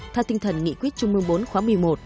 theo tinh thần nghị quyết trung mương bốn khóa một mươi một